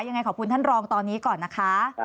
ยังไงขอบคุณท่านรองตอนนี้ก่อนนะคะ